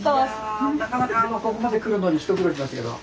いやなかなかあのここまで来るのに一苦労しましたけど。